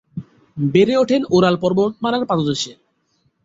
বেড়ে উঠেন ওরাল পর্বতমালার পাদদেশে।